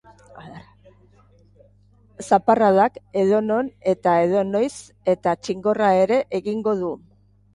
Zaparradak edonon eta edonoiz, eta txingorra ere egingo du.